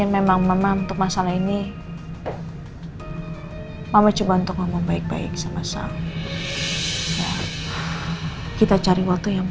mama akan coba untuk itu